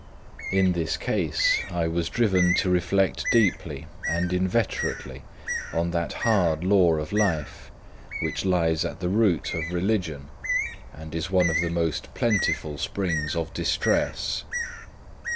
In this case, I was driven to reflect deeply and inveterately on that hard law of life, which lies at the root of religion and is one of the most plentiful springs of distress.